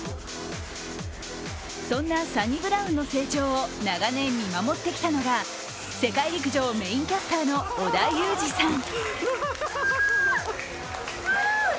そんなサニブラウンの成長を長年、見守ってきたのが世界陸上メインキャスターの織田裕二さん。